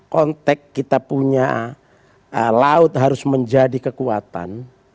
konteks kita punya laut harus menjadi kekuatan